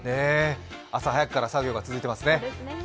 朝早くから作業が続いてますね。